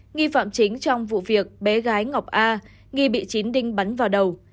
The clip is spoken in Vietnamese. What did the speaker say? nghi phạm chính trong vụ việc bé gái ngọc a nghi bị chín đinh bắn vào đầu